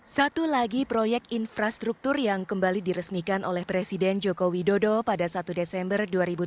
satu lagi proyek infrastruktur yang kembali diresmikan oleh presiden joko widodo pada satu desember dua ribu dua puluh